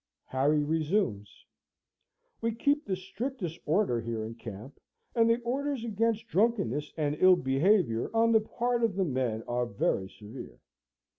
Harry resumes: "We keep the strictest order here in camp, and the orders against drunkenness and ill behaviour on the part of the men are very severe.